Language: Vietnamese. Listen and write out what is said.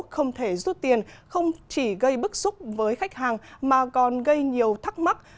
không thể rút tiền không chỉ gây bức xúc với khách hàng mà còn gây nhiều thắc mắc